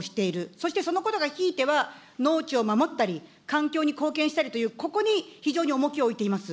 そしてそのことがひいては農地を守ったり、環境に貢献したりという、ここに非常に重きを置いています。